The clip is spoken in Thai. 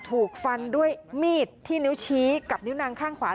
ถูกฟันด้วยมีดที่นิ้วชี้กับนิ้วนางข้างขวา